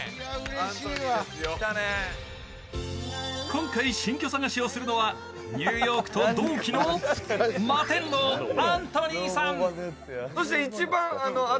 今回新居探しをするのは、ニューヨークと同期のマテンロウ・アントニーさん。